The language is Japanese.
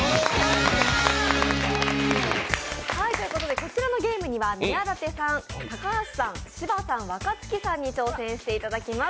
こちらのゲームには宮舘さん、高橋さん、芝さん、若槻さんに挑戦していただきます。